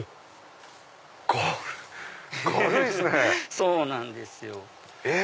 そうなんですよ。